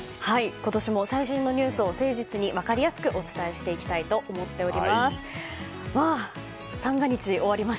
今年も最新のニュースを誠実に分かりやすくお伝えしていきたいと思っております。